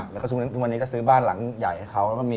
แล้วก็ทุกวันนี้ก็ซื้อบ้านหลังใหญ่ให้เขาแล้วก็มี